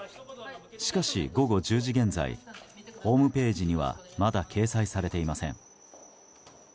しかし午後１０時現在ホームページにはまだ掲載されていません。